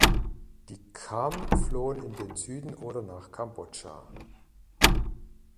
Die Cham flohen in den Süden oder nach Kambodscha.